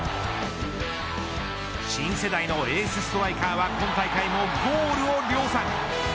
新世代のエースストライカーは今大会もゴールを量産。